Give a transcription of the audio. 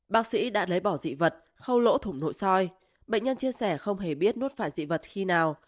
bác sĩ đã lấy bỏ dị vật khâu lỗ thủng nội soi bệnh nhân chia sẻ không hề biết nuốt phải dị vật khi nào